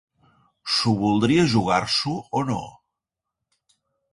S'ho voldria jugar-s'ho o no?